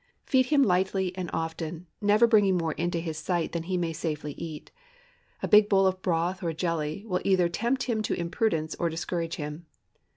Feed him lightly and often, never bringing more into his sight than he may safely eat. A big bowl of broth or jelly will either tempt him to imprudence, or discourage him.